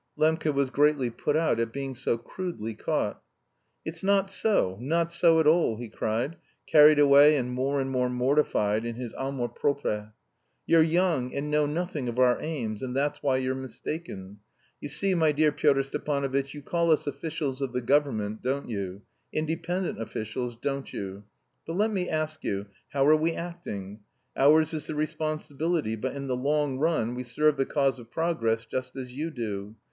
Lembke was greatly put out at being so crudely caught. "It's not so, not so at all," he cried, carried away and more and more mortified in his amour propre. "You're young, and know nothing of our aims, and that's why you're mistaken. You see, my dear Pyotr Stepanovitch, you call us officials of the government, don't you? Independent officials, don't you? But let me ask you, how are we acting? Ours is the responsibility, but in the long run we serve the cause of progress just as you do.